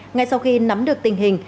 ngay sau khi nắm được tình hình